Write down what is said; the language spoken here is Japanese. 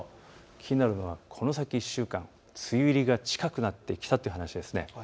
気になるのがこの先１週間梅雨入りが近くなってきたという話です。